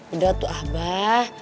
udah tuh abah